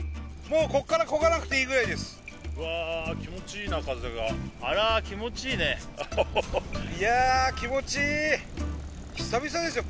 もうこっからこがなくていいぐらいですわあ気持ちいいな風があら気持ちいいねいや気持ちいい久々ですよ